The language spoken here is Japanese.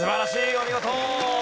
お見事！